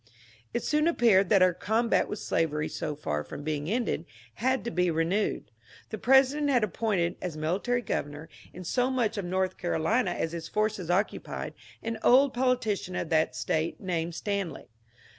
It soon appeared that our combat with slavery, so far from being ended, had to be renewed. The President had ap pointed as ' military governor," in so much of North Carolina as his forces occupied, an old politician of that State named Stanley.